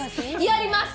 やります！